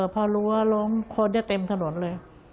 พอรัวลงคนนี้เต็มถนนเลย